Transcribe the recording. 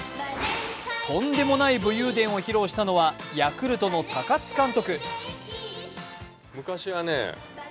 とんでもない武勇伝を披露したのはヤクルトの高津監督。